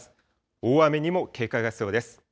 大雨にも警戒が必要です。